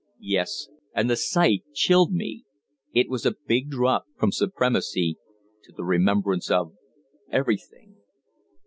"Yes; and the sight chilled me. It was a big drop from supremacy to the remembrance of everything."